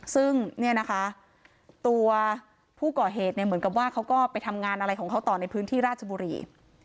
ซึ่งเนี่ยนะคะตัวผู้ก่อเหตุเนี่ยเหมือนกับว่าเขาก็ไปทำงานอะไรของเขาต่อในพื้นที่ราชบุรี